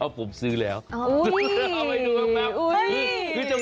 เอ้าผมซื้อแล้วเอาให้ดูครับนับ